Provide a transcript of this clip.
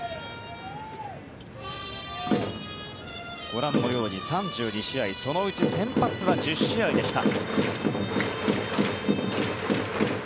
ご覧のように３２試合そのうち先発は１０試合でした。